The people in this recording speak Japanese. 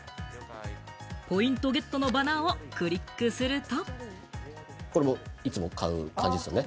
ポイントゲットのバナーをクリックすると。